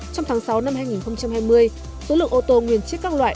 trong tháng sáu năm hai nghìn hai mươi số lượng ô tô nguyên chiếc các loại